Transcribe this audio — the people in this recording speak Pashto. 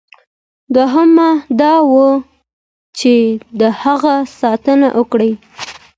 دوهم دا وه چې د هغه ساتنه وکړي.